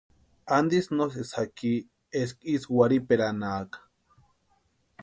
¿Antisï no sesí jaki eska ísï warhiperanhaaka?